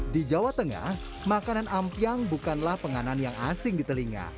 di jawa tengah makanan ampiang bukanlah penganan yang asing di telinga